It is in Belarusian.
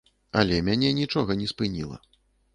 Але мяне нічога не спыніла.